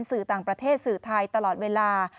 สื่อต่างประเทศสื่อไทยตลอดเวลา